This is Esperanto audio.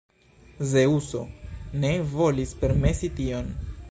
Zeŭso ne volis permesi tion.